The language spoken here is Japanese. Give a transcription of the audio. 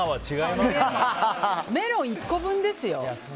メロン１個分ですよ。